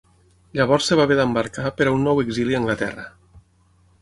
Llavors es va haver d'embarcar per a un nou exili a Anglaterra.